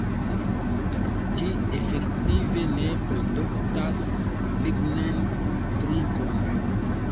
Ĝi efektive ne produktas lignan trunkon.